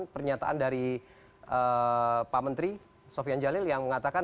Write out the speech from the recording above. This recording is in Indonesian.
pernyataan dari pak menteri sofian jalil yang mengatakan